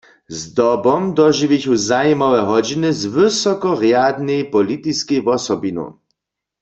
Zdobom dožiwichu zajimawe hodźiny z wysokorjadnej politiskej wosobinu.